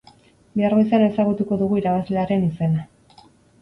Bihar goizean ezagutuko dugu irabazlearen izena!